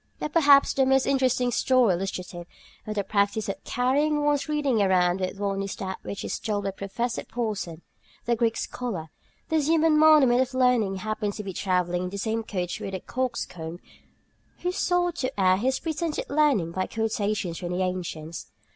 But, perhaps, the most interesting story illustrative of the practice of carrying one's reading around with one is that which is told of Professor Porson, the Greek scholar. This human monument of learning happened to be travelling in the same coach with a coxcomb who sought to air his pretended learning by quotations from the ancients.